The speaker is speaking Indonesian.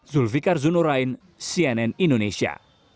zulfikar zunurain cnn indonesia